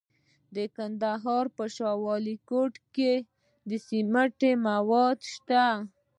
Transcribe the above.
د کندهار په شاه ولیکوټ کې د سمنټو مواد شته.